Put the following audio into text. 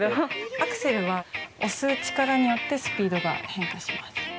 アクセルは、押す力によってスピードが変化します。